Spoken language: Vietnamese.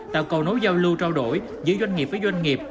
tạo cầu nối giao lưu trao đổi giữa doanh nghiệp với doanh nghiệp